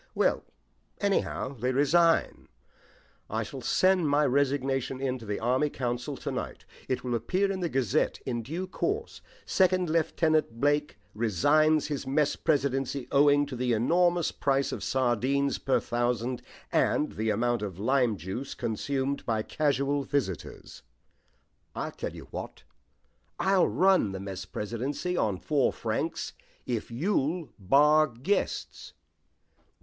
"Well, anyhow, they resign. I shall send my resignation in to the Army Council to night. It will appear in 'The Gazette' in due course. '2nd Lieut. Blake resigns his mess presidency owing to the enormous price of sardines per thousand and the amount of lime juice consumed by casual visitors.' I'll tell you what I'll run the mess on four francs, if you'll bar guests."